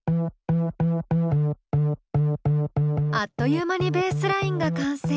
あっという間にベースラインが完成。